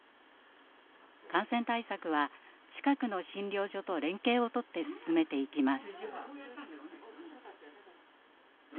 感染対策は近くの診療所と連携をとって進めていきます。